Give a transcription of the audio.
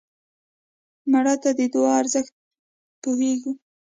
مړه ته د دعا ارزښت پوهېږو